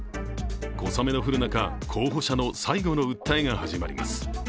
小雨の降る中、候補者の最後の訴えが始まります。